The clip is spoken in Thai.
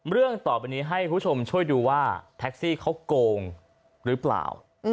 เรื่องต่อไปนี้ให้คุณผู้ชมช่วยดูว่าแท็กซี่เขาโกงหรือเปล่า